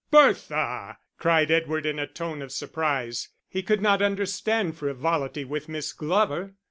"Bertha!" cried Edward, in a tone of surprise; he could not understand frivolity with Miss Glover.